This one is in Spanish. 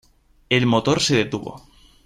El motor se detuvo.